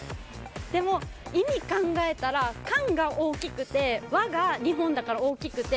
でも意味考えたら「かん」が大きくて「わ」が日本だから大きくて。